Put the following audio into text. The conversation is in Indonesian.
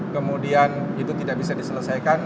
kemudian itu tidak bisa diselesaikan